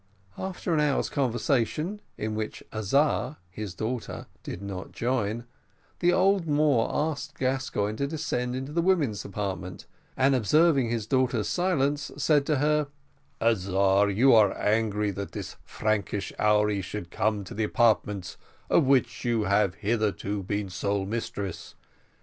After an hour's conversation, in which Azar, his daughter, did not join, the old Moor asked Gascoigne to descend into the women's apartment; and observing his daughter's silence, said to her: "Azar, you are angry that this Frankish houri should come to the apartments of which you have hitherto been sole mistress.